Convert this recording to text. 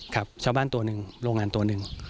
กับชาวบ้านตัวหนึ่งโรงงานตัวหนึ่ง